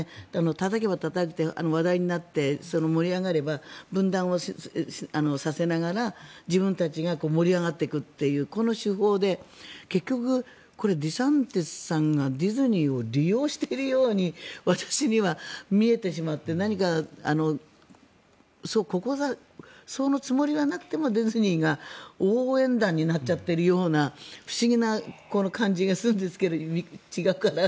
たたけば話題になって盛り上がれば分断をさせながら自分たちが盛り上がっていくというこの手法で結局、これ、デサンティスさんがディズニーを利用しているように私には見えてしまってそのつもりはなくてもディズニーが応援団になっちゃってるような不思議な感じがするんですけど違うかな。